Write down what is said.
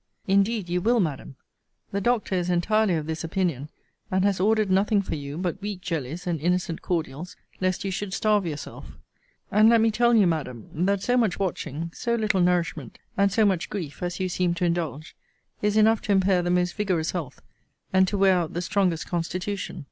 Indeed you will, Madam. The doctor is entirely of this opinion; and has ordered nothing for you but weak jellies and innocent cordials, lest you should starve yourself. And let me tell you, Madam, that so much watching, so little nourishment, and so much grief, as you seem to indulge, is enough to impair the most vigorous health, and to wear out the strongest constitution.